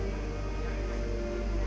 hoa sao cơ thễ